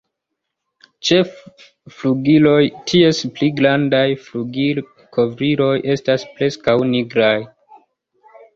Ĉe flugiloj, ties pli grandaj flugilkovriloj estas preskaŭ nigraj.